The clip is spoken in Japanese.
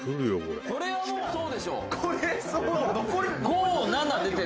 「これはもうそうでしょ！」